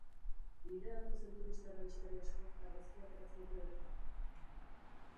Hirira datozen turista eta bisitari askok argazkia ateratzen dute bertan.